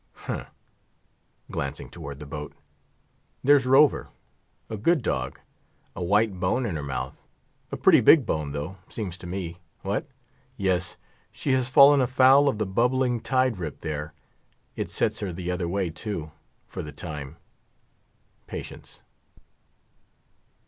Ha! glancing towards the boat; there's Rover; good dog; a white bone in her mouth. A pretty big bone though, seems to me.—What? Yes, she has fallen afoul of the bubbling tide rip there. It sets her the other way, too, for the time. Patience.